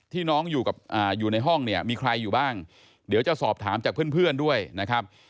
น้องอยู่กับอยู่ในห้องเนี่ยมีใครอยู่บ้างเดี๋ยวจะสอบถามจากเพื่อนด้วยนะครับ